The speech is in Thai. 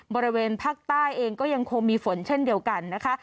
บริเวณภาคใต้เองก็ยังคงมีฝนเช่นเดียวกันนะคะ